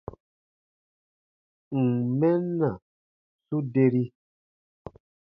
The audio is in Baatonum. Ǹ n mɛn na, su deri.